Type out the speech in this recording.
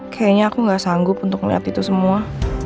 kayaknya aku gak sanggup untuk melihat itu semua